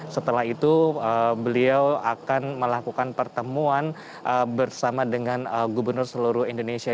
setelah itu beliau akan melakukan pertemuan bersama dengan gubernur seluruh indonesia